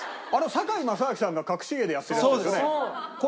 堺正章さんが『かくし芸』でやってるやつですよね？